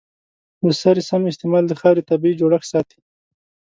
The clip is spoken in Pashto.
د سرې سم استعمال د خاورې طبیعي جوړښت ساتي.